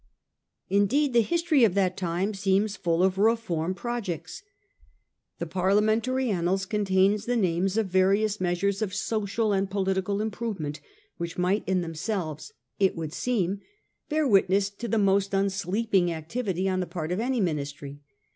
Indeed the history of that time seems full of Reform projects. The Parliamentary annals contain 188 A HISTORY OF OUR OWN TIMES. OH. IX. the names of various measures of social and political improvement which might in themselves, it would seem, hear witness to the most unsleeping activity on the part of any Ministry.